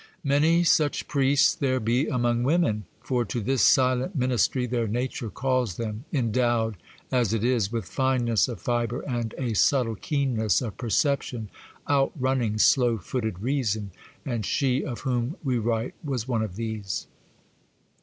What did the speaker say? Many such priests there be among women; for to this silent ministry their nature calls them, endowed, as it is, with fineness of fibre and a subtile keenness of perception outrunning slow footed reason,—and she of whom we write was one of these.